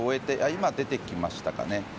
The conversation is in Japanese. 今、出てきましたかね。